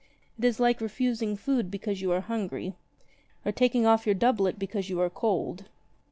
It is like refusing food because you are hungry, or taking off your doublet because you are cold.